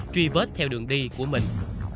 truy vết theo đường đi của mình